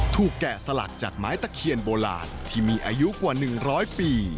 แกะสลักจากไม้ตะเคียนโบราณที่มีอายุกว่า๑๐๐ปี